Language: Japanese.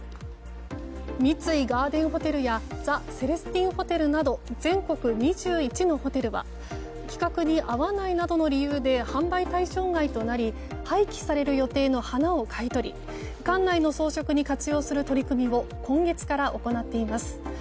三井ガーデンホテルやザ・セレスティンホテルなど全国２１のホテルは規格に合わないなどの理由で販売対象外となり廃棄される予定の花を買い取り館内の装飾に活用する取り組みを今月から行っています。